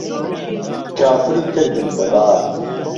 کافری کردن به باد